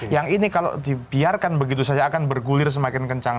yang ini kalau dibiarkan begitu saja akan bergulir semakin kencang